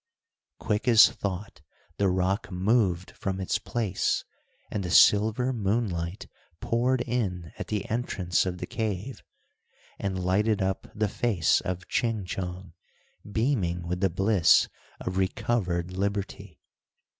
Quick as thought the rock moved from its place, and the silver moonlight poured in at the entrance of the cave, and lighted up the face of Ching Chong, beaming with the bliss of recovered liberty.